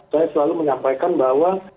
saya selalu menyampaikan bahwa